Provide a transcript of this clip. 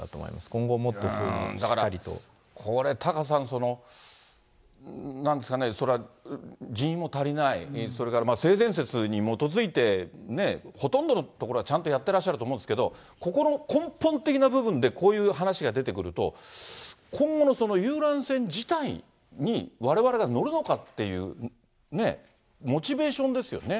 今後、だから、これタカさん、なんですかね、そりゃ人員も足りない、それから性善説に基づいて、ほとんどのところはちゃんとやってらっしゃると思うんですけれども、ここの根本的な問題で、こういう話が出てくると、今後の遊覧船自体にわれわれが乗るのかっていう、ねぇ、モチベーションですよね。